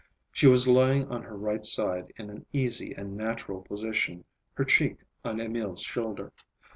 She was lying on her right side in an easy and natural position, her cheek on Emil's shoulder.